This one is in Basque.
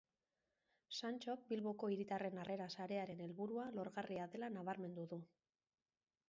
Santxok Bilboko Hiritarren Harrera Sarearen helburua lorgarria dela nabarmendu du.